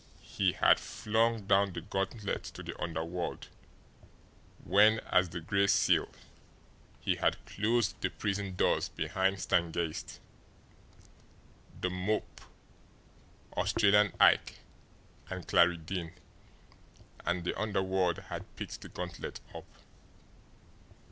He had flung down the gauntlet to the underworld when, as the Gray Seal, he had closed the prison doors behind Stangeist, The Mope, Australian Ike, and Clarie Deane, and the underworld had picked the gauntlet up.